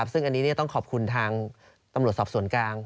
ซึ่งอันนี้ต้องขอบคุณทางตำรวจสอบส่วนกลาง